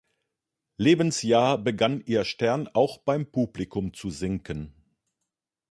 Lebensjahr begann ihr Stern auch beim Publikum zu sinken.